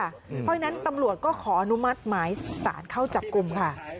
เพราะฉะนั้นตำรวจก็ขออนุมัติหมายสารเข้าจับกลุ่มค่ะ